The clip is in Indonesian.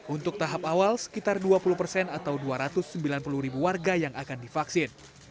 untuk tahap awal sekitar dua puluh persen atau dua ratus sembilan puluh ribu warga yang akan divaksin